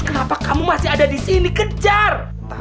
kenapa kamu masih ada di sini kejar